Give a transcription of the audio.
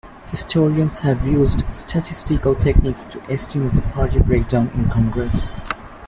Historians have used statistical techniques to estimate the party breakdown in Congress.